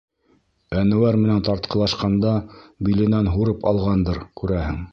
Әнүәр менән тартҡылашҡанда биленән һурып алғандыр, күрәһең.